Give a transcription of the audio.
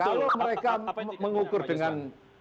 kalau mereka mengukur dengan